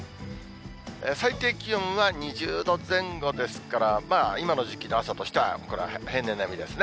最低気温は２０度前後ですから、今の時期の朝としてはこれは平年並みですね。